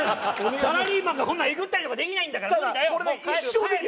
サラリーマンがこんなえぐったりとかできないんだから無理だよ。